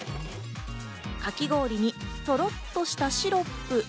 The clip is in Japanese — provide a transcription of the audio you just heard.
かき氷にトロっとしたシロップ？